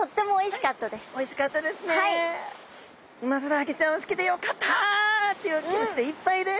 ウマヅラハギちゃんを好きでよかったっていうきもちでいっぱいです。